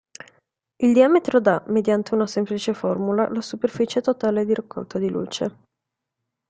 Il diametro dà, mediante una semplice formula, la superficie totale di raccolta di luce.